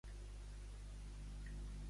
Quin desig va demanar a Déu?